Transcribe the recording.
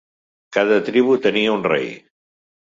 Cada tribu tenia un rei.